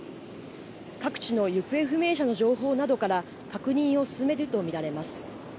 各地の行方不明者の情報などから確認を進めると見られます。